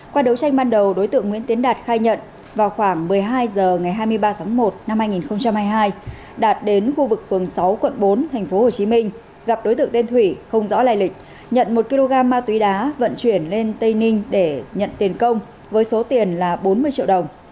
qua đấu tranh ban đầu đối tượng nguyễn tiến đạt khai nhận vào khoảng một mươi hai h ngày hai mươi ba tháng một năm hai nghìn hai mươi hai đạt đến khu vực phường sáu quận bốn tp hcm gặp đối tượng tên thủy không rõ lai lịch nhận một kg ma túy đá vận chuyển lên tây ninh để nhận tiền công với số tiền là bốn mươi triệu đồng